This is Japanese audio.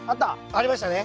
ありましたね。